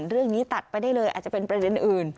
เรื่องนี้ตัดไปได้เลยอาจจะเป็นประเด็นอื่น